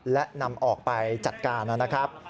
และนำออกไปจัดการนะครับ